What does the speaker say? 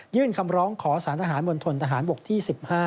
ยื่นคำร้องขอสารทหารบนทลทหารบกที่๑๕